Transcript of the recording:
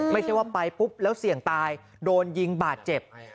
ไม่ใช่ว่าไปปุ๊บแล้วเสี่ยงตายโดนยิงบาดเจ็บ